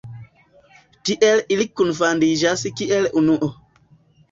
Tiel ili kunfandiĝas kiel unuo.